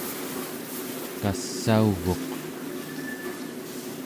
kassauguq